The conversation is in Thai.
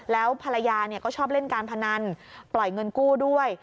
แล้วภรรยาก็ชอบเล่นการพนันปล่อยเงินกู้ด้วย